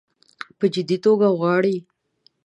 په جدي توګه غواړي.